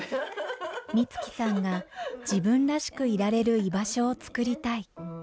光希さんが自分らしくいられる居場所を作りたい。